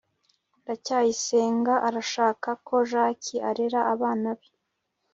ndacyayisenga arashaka ko jaki arera abana be